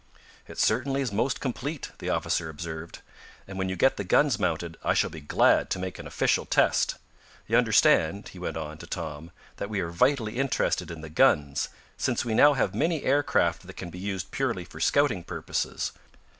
"It certainly is most complete," the officer observed. "And when you get the guns mounted I shall be glad to make an official test. You understand," he went on, to Tom, "that we are vitally interested in the guns, since we now have many aircraft that can be used purely for scouting purposes.